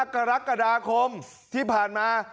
๒๕กระดาคมที่ผ่านมา